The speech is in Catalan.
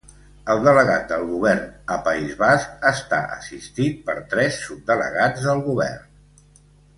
El delegat del Govern a País Basc està assistit per tres subdelegats del Govern.